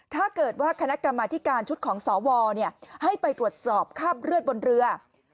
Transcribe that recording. ถ้าเกิดว่าคณะกรรมธิการชุดของสวให้ไปตรวจสอบคาบเลือดบนเรือ